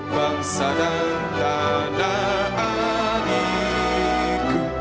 bangsa dan tanah airku